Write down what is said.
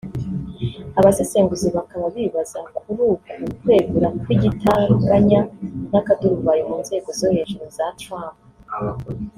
Abasesenguzi bakaba bibaza kuri uku kwegura kw’igitaraganya n’akaduruvayo mu nzego zo hejuru za Trump